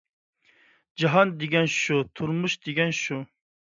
جاھان دېگەن شۇ، تۇرمۇش دېگەن شۇ!